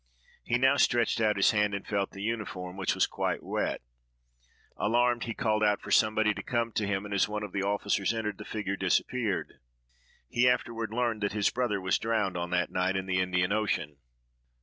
He now stretched out his hand, and felt the uniform, which was quite wet. Alarmed, he called out for somebody to come to him; and, as one of the officers entered, the figure disappeared. He afterward learned that his brother was drowned on that night in the Indian ocean.